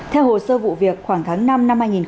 theo hồ sơ vụ việc khoảng tháng năm năm hai nghìn hai mươi